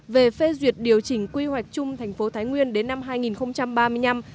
về phê duyệt điều chỉnh quy hoạch chung thành phố thái nguyên đến năm hai nghìn ba mươi năm